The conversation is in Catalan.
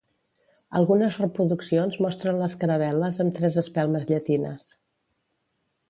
Algunes reproduccions mostren les caravel·les amb tres espelmes llatines.